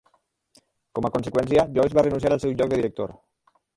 Com a conseqüència, Joyce va renunciar al seu lloc de director.